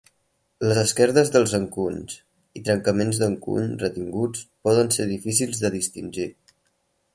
Las esquerdes dels encunys i trencaments d'encuny retinguts poden ser difícils de distingir.